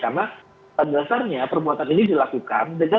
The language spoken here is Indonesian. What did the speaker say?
karena pada dasarnya perbuatan ini dilakukan oleh pengabdian